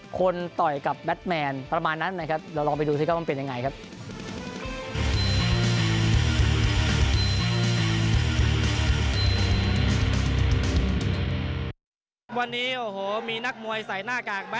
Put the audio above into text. คนต่อยกับแบทแมนประมาณนั้นนะครับ